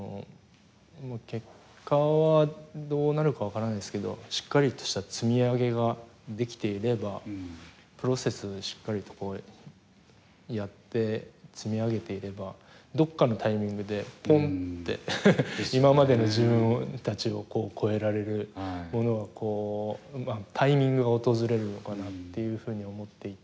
結果はどうなるか分からないですけどしっかりとした積み上げができていればプロセスをしっかりとやって積み上げていればどこかのタイミングでポンッて今までの自分たちを超えられるものがタイミングが訪れるのかなというふうには思っていて。